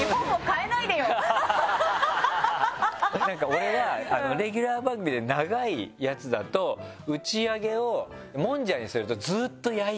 俺はレギュラー番組で長いやつだと打ち上げをもんじゃにすると。